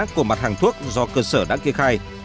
của mặt hàng thuốc do cơ sở đã kê khai